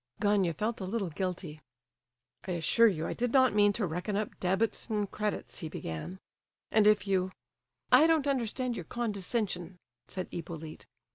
Gania felt a little guilty. "I assure you I did not mean to reckon up debits and credits," he began, "and if you—" "I don't understand your condescension," said Hippolyte.